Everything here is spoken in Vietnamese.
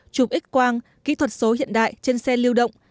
chụp x quang kỹ thuật số hiện đại trên xe lưu động